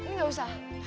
ini gak usah